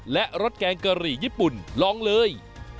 และรสแกงกะหรี่ญี่ปุ่นลองเลย